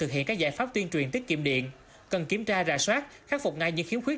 thực hiện các giải pháp tuyên truyền tiết kiệm điện cần kiểm tra rà soát khắc phục ngay những khiếm khuyết